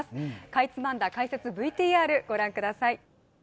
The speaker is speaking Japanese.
かいつまんだ解説ＶＴＲご覧ください